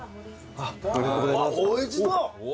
あっおいしそう！